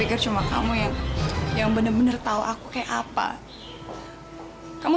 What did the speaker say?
itu sangat berarti buat aku ma